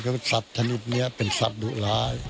เขาว่าสัตว์ชนิดนี้เป็นสัตว์ดุล้าย